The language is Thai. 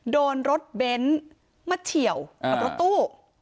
โดนรถเบนท์มาเฉียวกับรถตู้